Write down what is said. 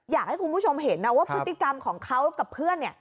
อยากให้คุณผู้ชมเห็นนะว่าพฤติกรรมของเขากับเพื่อน